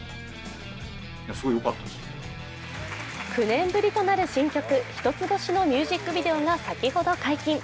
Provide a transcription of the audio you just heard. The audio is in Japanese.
９年ぶりとなる新曲「ヒトツボシ」のミュージックビデオが先ほど解禁。